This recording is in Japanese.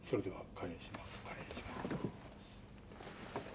開演します。